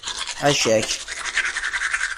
Ḥaca-k!